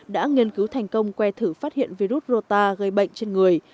đã nghiên cứu thành công que thử phát hiện virus rota gây bệnh trên người